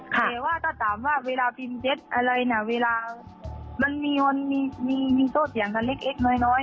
แต่ว่าต่อตามว่าเวลาพิมพ์เจ็ดอะไรนะเวลามันมีโต๊ะเสียงกันเล็กเอ็ดน้อย